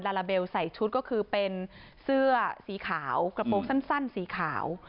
ลาลาเบลใส่ชุดก็คือเป็นเสื้อสีขาวกระโปรงสั้นสีขาว